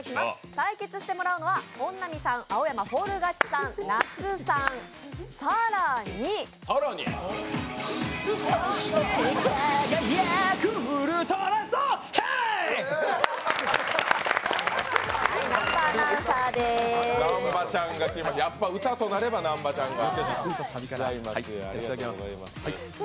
対決してもらうのは本並さん、青山フォール勝ちさん、那須さん、更に南波ちゃんが、やっぱり歌となれば南波ちゃんが。